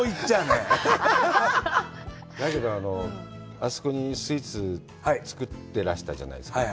だけど、あそこにスイーツ作ってらしたじゃないですか。